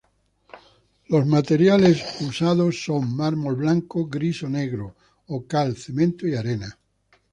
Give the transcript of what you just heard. Los materiales usados son mármol blanco, gris o negro, o cal, cemento y arena.